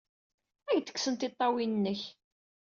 Ad ak-d-kksen tiṭṭawin-nnek!